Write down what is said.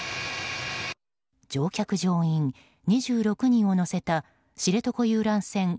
乗客・乗員２６人を乗せた知床遊覧船